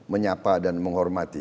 menyapa dan menghormati